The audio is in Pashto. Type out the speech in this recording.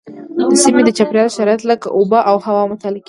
د سیمې د چاپیریال شرایط لکه اوبه او هوا مطالعه کېږي.